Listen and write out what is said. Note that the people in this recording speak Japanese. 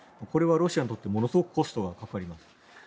これはロシアにとってものすごくコストがかかります。